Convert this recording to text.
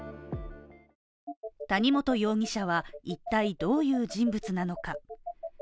谷本容疑者は一体どういう人物なのか。